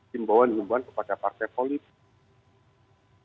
simbohan kepada partai politik